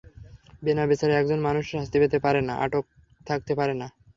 বিনা বিচারে একজন মানুষও শাস্তি পেতে পারে না, আটক থাকতে পারে না।